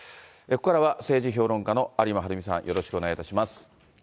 ここからは政治評論家の有馬晴海さん、よろしくお願いいたします。